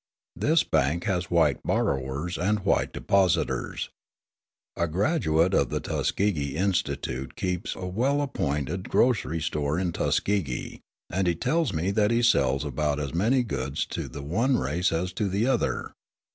This bank has white borrowers and white depositors. A graduate of the Tuskegee Institute keeps a well appointed grocery store in Tuskegee, and he tells me that he sells about as many goods to the one race as to the other.